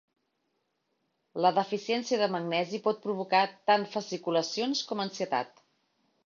La deficiència de magnesi pot provocar tant fasciculacions com ansietat.